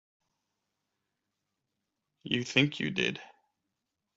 You think you did.